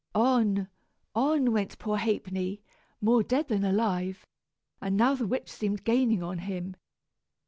On, on, went poor Ha'penny, more dead than alive, and now the witch seemed gaining on him.